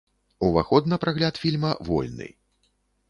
Уваход на прагляд фільма вольны.